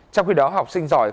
trong khi đó học sinh giỏi